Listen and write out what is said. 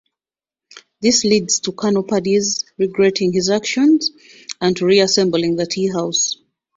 This leads to Colonel Purdy's regretting his actions and to reassembling the teahouse.